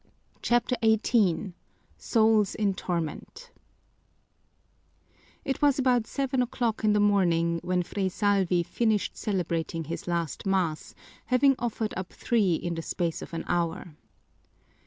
CHAPTER XVIII Souls in Torment It was about seven o'clock in the morning when Fray Salvi finished celebrating his last mass, having offered up three in the space of an hour.